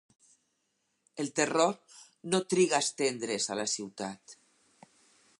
El terror no triga a estendre's a la ciutat.